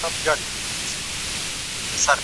په خوږه، روانه، عام فهمه او معياري پښتو ليکل شوى دی